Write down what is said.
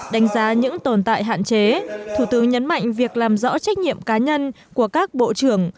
đánh giá những tồn tại hạn chế thủ tướng nhấn mạnh việc làm rõ trách nhiệm cá nhân của các bộ trưởng